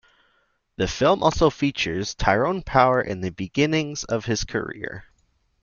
The film also features Tyrone Power in the beginnings of his career.